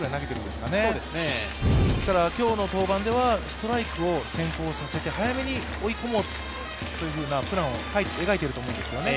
ですから今日の登板ではストライクを先行させて早めに追い込もうというプランを描いていると思うんですよね。